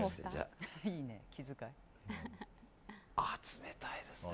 あ、冷たいですね。